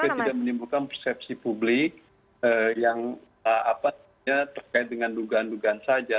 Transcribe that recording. ini kan semuanya sudah menyembuhkan persepsi publik yang terkait dengan dugaan dugaan saja